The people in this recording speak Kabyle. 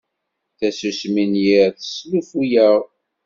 Tasusmi n yiḍ teslufu-aɣ.